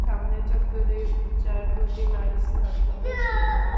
সামনের চত্বরেই উযযার প্রতিমা স্থাপিত ছিল।